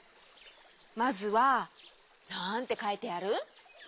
まずはなんてかいてある？